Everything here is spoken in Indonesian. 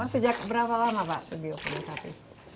sejak berapa lama pak sugiyo punya sapi